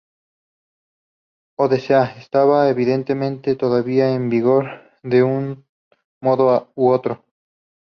Odessa estaba, evidentemente, todavía en vigor de un modo u otro.